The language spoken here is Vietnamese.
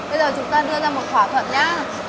bây giờ chúng ta đưa ra một thỏa thuận nhã